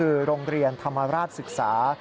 คือโรงเรียนธรรมราชศึกษา